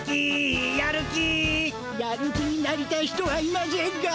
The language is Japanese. やる気になりたい人はいませんか？